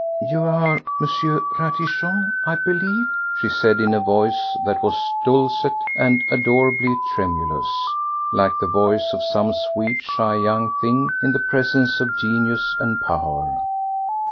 "You are M. Ratichon, I believe," she said in a voice that was dulcet and adorably tremulous, like the voice of some sweet, shy young thing in the presence of genius and power.